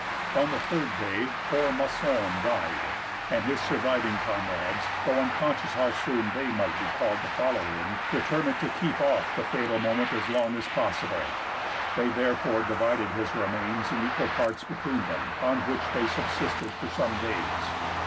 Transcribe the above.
On the third day poor Maçon died, and his surviving comrades, though unconscious how soon they might be called to follow him, determined to keep off the fatal moment as long as possible. They therefore divided his remains in equal parts between them, on which they subsisted for some days.